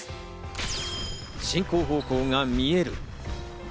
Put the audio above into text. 進行方向が見える。